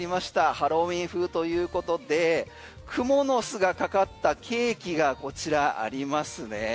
ハロウィーン風ということクモの巣がかかったケーキがこちらありますね。